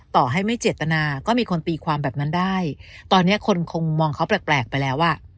ต่อให้ไม่เจตนาก็มีคนตีความแบบนั้นได้ตอนนี้คนคงมองเขาแปลกไปแล้วอ่ะ